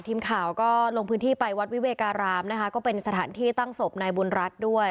ทีมข่าวก็ลงพื้นที่ไปวัดวิเวการามนะคะก็เป็นสถานที่ตั้งศพนายบุญรัฐด้วย